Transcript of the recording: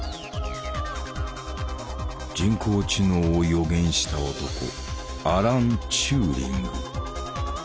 人工知能を予言した男アラン・チューリング。